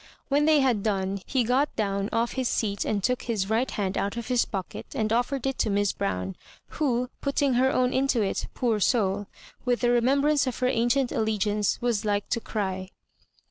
"When they had done, he got down off his seM and took his right hand out of his pocket and offered it to Miss Brown, who, putting her own into it, poor soul 1 with the remembrance of her ancient allegiance, was like to cry.